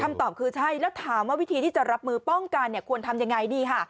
คำตอบคือใช่แล้วถามวิธีที่จะรับมือป้องกันควรทำยังไงดี